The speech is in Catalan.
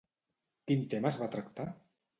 Quin tema es va tractar?